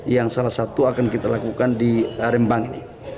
yang salah satu akan kita lakukan di rembang ini